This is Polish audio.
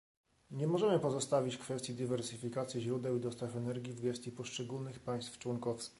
Nie możemy pozostawić kwestii dywersyfikacji źródeł i dostaw energii w gestii poszczególnych państw członkowskich